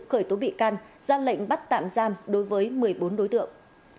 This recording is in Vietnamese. khởi tố bị can ra lệnh bắt tạm giam đối với một mươi bốn đối tượng